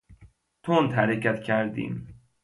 تند حرکت کردیم.